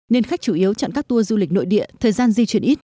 nên khách chủ yếu chọn các tour du lịch nội địa thời gian di chuyển ít